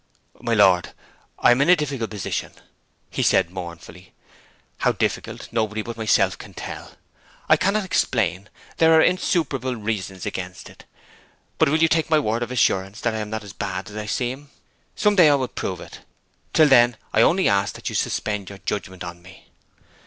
'My lord, I am in a difficult position,' he said mournfully; 'how difficult, nobody but myself can tell. I cannot explain; there are insuperable reasons against it. But will you take my word of assurance that I am not so bad as I seem? Some day I will prove it. Till then I only ask you to suspend your judgment on me.'